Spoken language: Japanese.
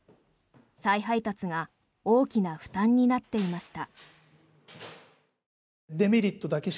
再配達が大きな負担になっていました。